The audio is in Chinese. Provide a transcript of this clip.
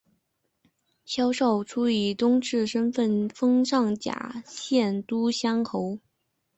萧韶初以宗室身份封上甲县都乡侯。